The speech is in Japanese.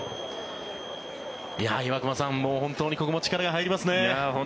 岩隈さん、本当にここも力が入りますね。